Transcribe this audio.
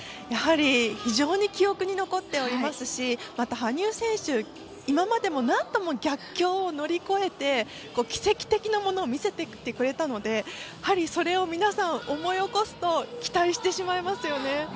やはり非常に記憶に残っておりますしまた羽生選手、今までも何度も逆境を乗り越えて奇跡的なものを見せてくれたのでそれを皆さん、思い起こすと期待してしまいますよね。